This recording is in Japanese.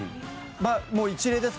もう一例です。